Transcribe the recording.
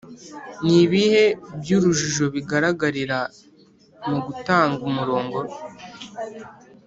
n ibihe by urujijo bigaragarira mu guta umurongo